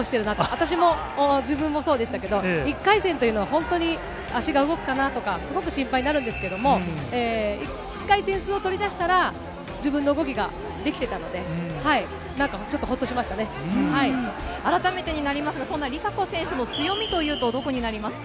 私も自分もそうでしたけど、１回戦というのは本当に、足が動くかなとか、すごく心配になるんですけれども、１回点数を取りだしたら、自分の動きができてたので、なんかちょ改めてになりますが、そんな梨紗子選手の強みというとどこになりますか。